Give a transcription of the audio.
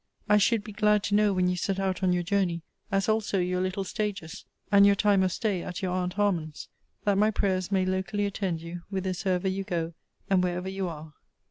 I should be glad to know when you set out on your journey; as also your little stages; and your time of stay at your aunt Harman's; that my prayers may locally attend you whithersoever you go, and wherever you are.